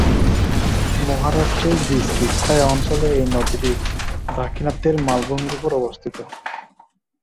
মহারাষ্ট্রের বৃষ্টি ছায়া অঞ্চলে এই নদীটি দাক্ষিণাত্যের মালভূমির উপর অবস্থিত।